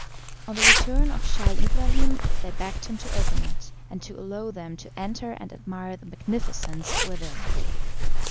On the return of Scheih Ibrahim they begged him to open it, and to allow them to enter and admire the magnificence within.